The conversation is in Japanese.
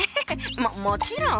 もちろん。